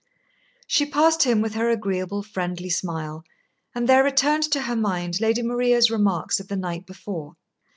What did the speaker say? She passed him with her agreeable, friendly smile, and there returned to her mind Lady Maria's remarks of the night before.